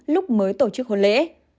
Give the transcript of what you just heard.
lúc mới tổ chức hôn lễ